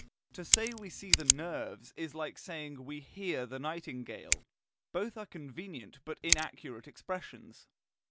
To say we see the nerves is like saying we hear the nightingale; both are convenient but inaccurate expressions.